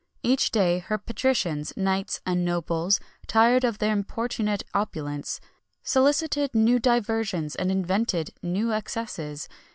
Each day her patricians, knights, and nobles, tired of their importunate opulence, solicited new diversions, and invented new excesses.